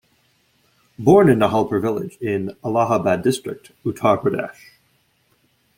Born in Nihalpur village in Allahabad District, Uttar Pradesh.